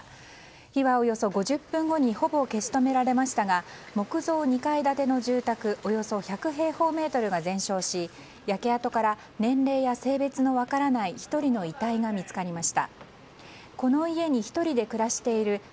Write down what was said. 火はおよそ５０分後にほぼ消し止められましたが木造２階建ての住宅およそ１００平方メートルが全焼し、焼け跡から年齢や性別の分からない１人の遺体が見つかりました。